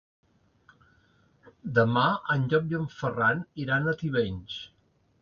Demà en Llop i en Ferran iran a Tivenys.